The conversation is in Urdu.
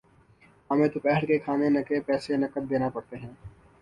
ہمیں دوپہر کے کھانےنکے پیسے نقد دینا پڑتے ہیں